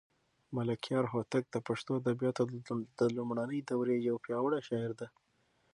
ملکیار هوتک د پښتو ادبیاتو د لومړنۍ دورې یو پیاوړی شاعر دی.